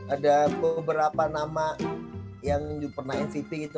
ada beberapa nama yang pernah mvp gitu